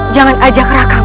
jangan ajak rakamu